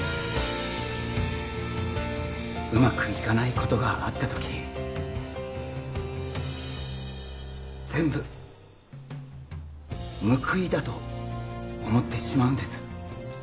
うまくいかないことがあったとき全部報いだと思ってしまうんです